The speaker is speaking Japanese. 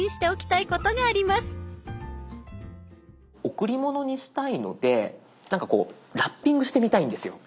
贈り物にしたいのでなんかこうラッピングしてみたいんですよ。